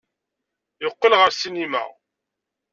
Yeqqel ɣer ssinima.